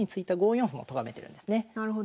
なるほど。